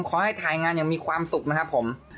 ขอให้ถ่ายงานอย่างมีความสุขนะครับผม